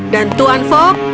dan tuan fogg